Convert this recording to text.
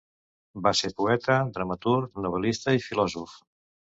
Va ser poeta, dramaturg, novel·lista i filòsof.